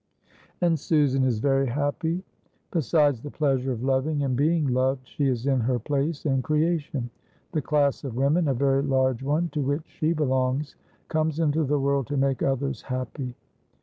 And Susan is very happy. Besides the pleasure of loving and being loved, she is in her place in creation. The class of women (a very large one) to which she belongs comes into the world to make others happy.